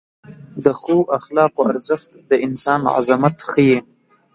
د ښو اخلاقو ارزښت د انسان عظمت ښیي.